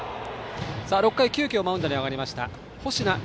６回、急きょマウンドに上がりました星名竜